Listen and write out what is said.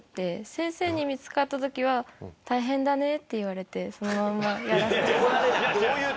先生に見つかった時は「大変だね」って言われてそのまんまやらせて。いやいや違う違う。